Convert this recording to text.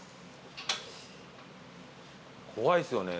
怖いですよね。